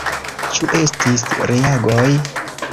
Ĉu estis reagoj?